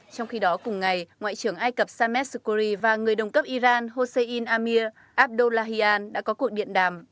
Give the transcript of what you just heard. trong khi đó cùng ngày ngoại trưởng ai cập samer skoury và người đồng cấp iran hossein amir abdullahian đã có cuộc điện đàm